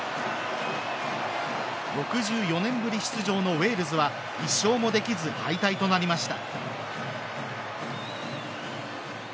６４年ぶり出場のウェールズは１勝もできず敗退となりました。